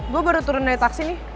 gue baru turun dari taksi nih